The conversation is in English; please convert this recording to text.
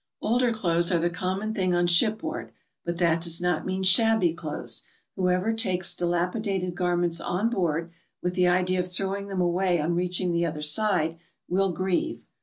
Older clothes are the common thing on shipboard, but that does not mean shabby clothes. Whoever takes dilapi dated garments on board with the idea of throwing them away on reaching the other side, will grieve.